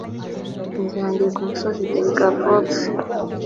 Inzu yanjye iri ku musozi belgavox